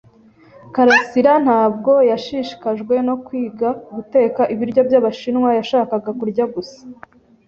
karasira ntabwo yashishikajwe no kwiga guteka ibiryo byabashinwa. Yashakaga kurya gusa.